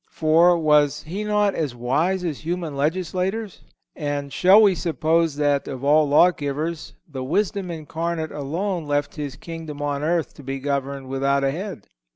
For was He not as wise as human legislators? And shall we suppose that, of all lawgivers, the Wisdom Incarnate alone left His Kingdom on earth to be governed without a head?